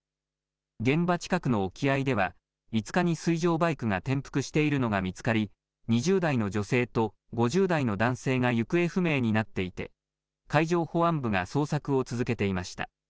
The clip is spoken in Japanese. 現場近くの沖合では５日に水上バイクが転覆しているのが見つかり２０代の女性と５０代の男性が行方不明になっていて海上保安部が捜索を続けていました。